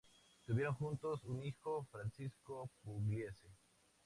Tuvieron juntos un hijo, Francisco Pugliese.